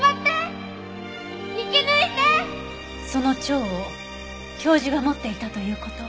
その蝶を教授が持っていたという事は。